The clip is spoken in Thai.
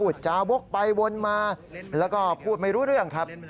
จาวกไปวนมาแล้วก็พูดไม่รู้เรื่องครับ